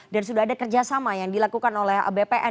dan sudah ada kerjasama yang dilakukan oleh bpn